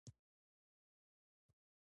یو ښه مجلس یوه بریالۍ مفاهمه ده.